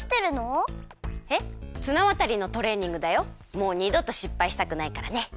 もうにどとしっぱいしたくないからね。